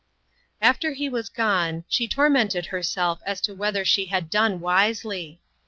After he was gone, she tormented herself as to whether she had done wisely.